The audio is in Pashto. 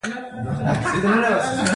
ډېر يادونه يې زما په زړه هم هغسې راوريږي